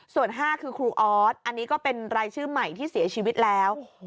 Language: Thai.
ส่วน๕คือครูออสอันนี้ก็เป็นรายชื่อใหม่ที่เสียชีวิตแล้ว